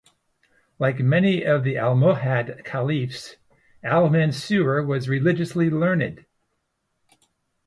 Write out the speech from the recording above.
Like many of the Almohad caliphs, Al-Mansur was religiously learned.